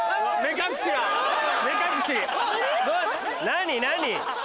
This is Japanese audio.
何何？